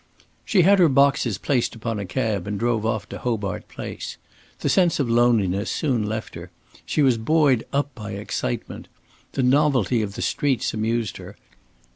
She had her boxes placed upon a cab and drove off to Hobart Place. The sense of loneliness soon left her. She was buoyed up by excitement. The novelty of the streets amused her.